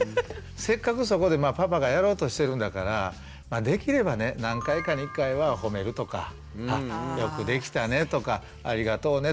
せっかくそこでパパがやろうとしてるんだからできればね何回かに１回は褒めるとか「よくできたね」とか「ありがとうね」とか。